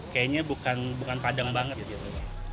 kayaknya bukan padang banget gitu